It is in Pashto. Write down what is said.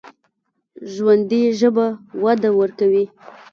ژوندي ژبه وده ورکوي